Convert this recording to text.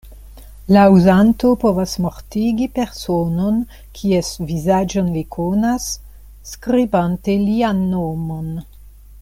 La uzanto povas mortigi personon, kies vizaĝon li konas, skribante lian nomon.